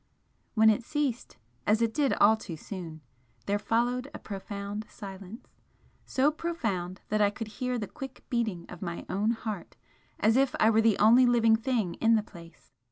When it ceased, as it did all too soon, there followed a profound silence, so profound that I could hear the quick beating of my own heart as if I were the only living thing in the place.